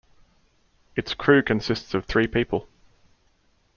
Its crew consists of three people.